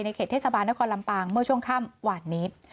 เขตเทศบาลนครลำปางเมื่อช่วงค่ำหวานนี้